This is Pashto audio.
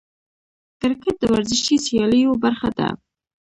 کرکټ د ورزشي سیالیو برخه ده.